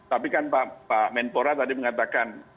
tapi kan pak menpora tadi mengatakan